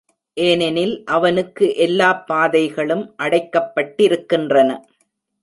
ஏனெனில் அவனுக்கு எல்லாப் பாதைகளும் அடைக்கப்பட்டிருக்கின்றன.